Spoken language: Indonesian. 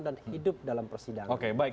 dan hidup dalam persidangan